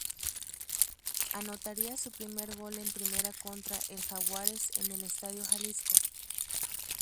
Anotaría su primer gol en primera contra el Jaguares en el Estadio Jalisco.